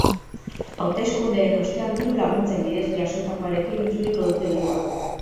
Hauteskundeen ostean diru-laguntzen bidez jasotakoarekin itzuliko dute dirua.